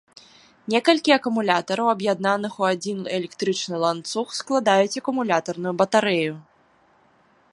Некалькі акумулятараў, аб'яднаных у адзін электрычны ланцуг, складаюць акумулятарную батарэю.